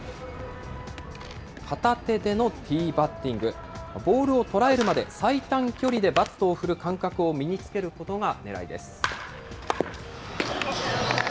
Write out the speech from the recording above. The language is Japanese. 片手でのティーバッティング、ボールを捉えるまで最短距離でバットを振る感覚を身につけることがねらいです。